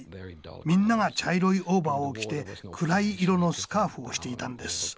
みんなが茶色いオーバーを着て暗い色のスカーフをしていたんです。